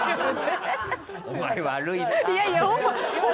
お前悪いなぁ。